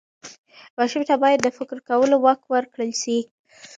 ماشوم ته باید د فکر کولو واک ورکړل سي.